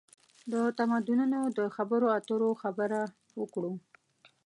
د تمدنونو د خبرواترو خبره وکړو.